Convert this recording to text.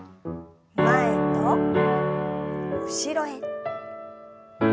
前と後ろへ。